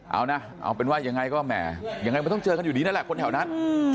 เอานะเอาเป็นว่ายังไงก็แหมยังไงมันต้องเจอกันอยู่ดีนั่นแหละคนแถวนั้น